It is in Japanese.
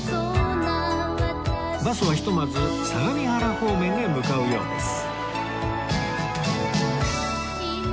バスはひとまず相模原方面へ向かうようです